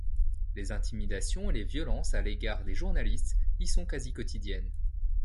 Les intimidations et les violences à l'égard des journalistes y sont quasi quotidiennes.